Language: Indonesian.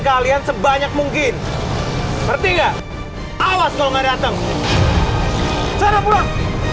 kalian sebanyak mungkin bertingkah awas kalau nggak dateng cara pulang